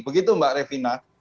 begitu mbak revina